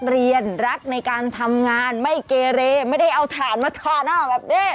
เรียนรักในการทำงานไม่เกเรไม่ได้เอาถ่านมาทาน่าแบบนี้